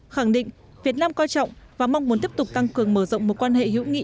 khẳng định việt nam coi trọng và mong muốn tiếp tục tăng cường mở rộng mối quan hệ hữu nghị